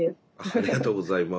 ありがとうございます。